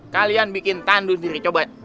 kalian bikin tandu diri coba